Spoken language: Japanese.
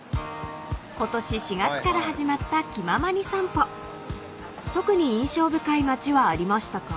［ことし４月から始まった『気ままにさんぽ』］［特に印象深い町はありましたか？］